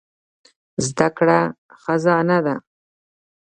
زده کړه خزانه ده.